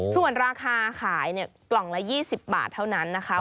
ส่วนราคาขายกล่องละ๒๐บาทเท่านั้นนะคะ